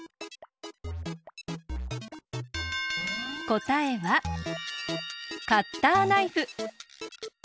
こたえはカッターナイフ。